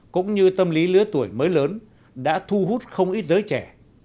cũng như tâm lý lứa tuổi mới lớn đã thu hút không ít giới trẻ